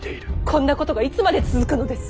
こんなことがいつまで続くのです。